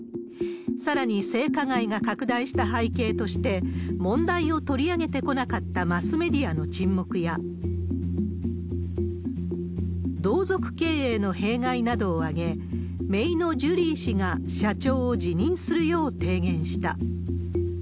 さらに、性加害が拡大した背景として、問題を取り上げてこなかったマスメディアの沈黙や、同族経営の弊害などを挙げ、めいのジュリー氏が社長を辞任するよう提言した。